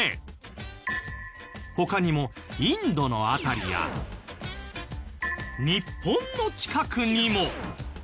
他にもインドの辺りや日本の近くにも。